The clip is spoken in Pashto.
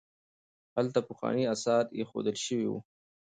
هلته پخواني اثار ایښودل شوي وو.